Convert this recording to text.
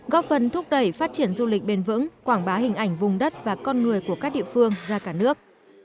góp phần thúc đẩy phát triển du lịch bền vững quảng bá hình ảnh vùng đất và con người của các địa phương ra cả nước